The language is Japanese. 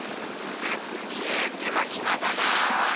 すっげえ手間ひまだな。